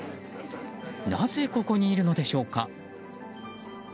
なぜ、ここにいるのでしょうか。